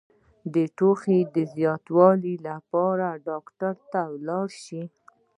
د ټوخي د زیاتوالي لپاره ډاکټر ته لاړ شئ